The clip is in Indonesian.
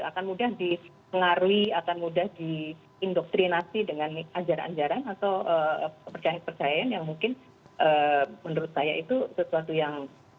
akan mudah di pengaruhi akan mudah di indoktrinasi dengan ajaran ajaran atau percaya percayaan yang mungkin menurut saya itu sesuatu yang